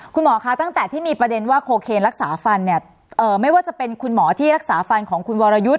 คุณหมอคะตั้งแต่ที่มีประเด็นว่าโคเคนรักษาฟันเนี่ยไม่ว่าจะเป็นคุณหมอที่รักษาฟันของคุณวรยุทธ์